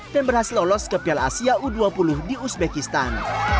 dan berhasil lolos ke piala asia u dua puluh di uzbekistan